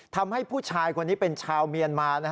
ทำให้ผู้ชายคนนี้เป็นชาวเมียนมา